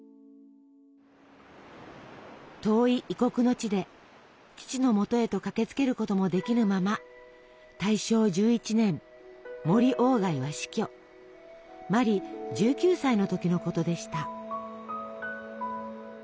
遠い異国の地で父のもとへと駆けつけることもできぬまま茉莉１９歳の時のことでした。